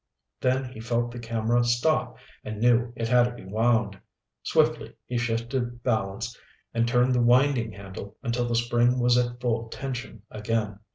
Then he felt the camera stop and knew it had to be wound. Swiftly he shifted balance and turned the winding handle until the spring was at full tension again.